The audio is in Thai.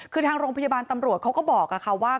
คือทางโรงพยาบาลตำรวจเขาก็บอกค่ะว่า